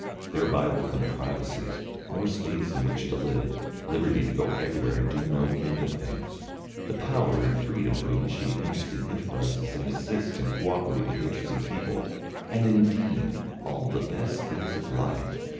Thereby will come privacies, more space in which to live, liberty to go everywhere and do no end of things, the power and freedom to initiate interesting enterprises and assist and co operate with interesting people, and indeed all the best things of life.